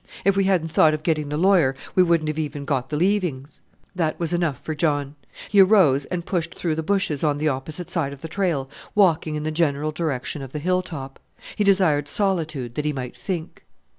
If we hadn't thought of getting the lawyer, we wouldn't have even got the leavings!" That was enough for John. He arose and pushed through the bushes on the opposite side of the trail, walking in the general direction of the hill top. He desired solitude that he might think.